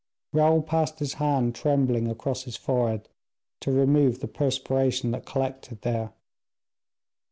Raoul passed his hand trembling across his forehead to remove the perspiration that collected there.